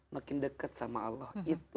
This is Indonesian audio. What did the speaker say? makin dekat sama allah